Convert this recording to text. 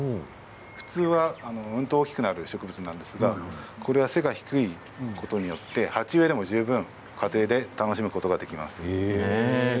普通は、うんと大きくなる植物なんですがこれは背が低いことによって鉢植えでも十分家庭で楽しむことができます。